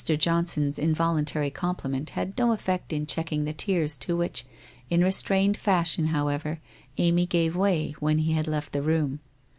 Johnson's involuntary compliment had no effect in checking the tears to which, in restrained fashion, how ever, Amy gave way when he had left the room.